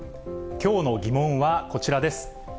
きょうの疑問はこちらです。